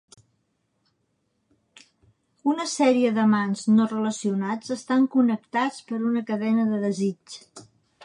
Una sèrie d'amants no relacionats estan connectats per una cadena de desig.